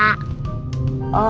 aku mau berbicara